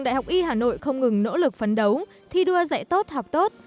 đội không ngừng nỗ lực phấn đấu thi đua dạy tốt học tốt